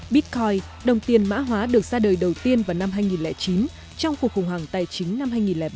bitcoin đồng tiền mã hóa được ra đời đầu tiên vào năm hai nghìn chín trong cuộc khủng hoảng tài chính năm hai nghìn bảy hai nghìn tám